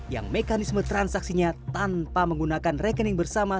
yang mekanisme transaksinya tanpa menggunakan rekening bersama